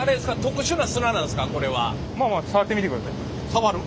触る？